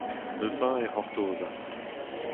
Neuze e c'hortozas.